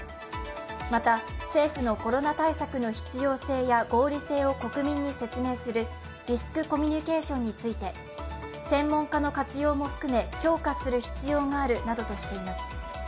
また、政府のコロナ対策の必要性や合理性を国民に説明するリスクコミュニケーションについて専門家の活用も含め強化する必要があるなどとしています。